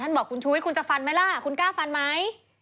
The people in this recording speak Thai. บอกคุณชุวิตคุณจะฟันไหมล่ะคุณกล้าฟันไหม